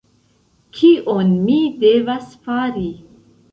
Kion mi devas fari?